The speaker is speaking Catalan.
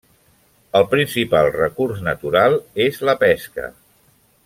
El principal recurs natural és la pesca.